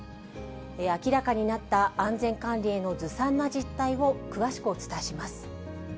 明らかになった安全管理へのずさんな実態を詳しくお伝えします。